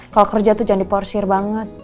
kalau kerja tuh jangan diporsir banget